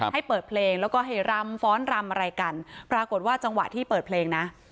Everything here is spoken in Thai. ให้เปิดเพลงแล้วก็ให้รำฟ้อนรำอะไรกันปรากฏว่าจังหวะที่เปิดเพลงนะ